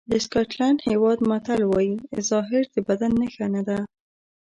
د سکاټلېنډ هېواد متل وایي ظاهر د باطن نښه نه ده.